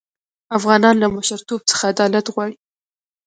افغانان له مشرتوب څخه عدالت غواړي.